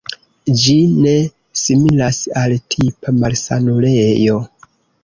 Ĝi ne similas al tipa malsanulejo.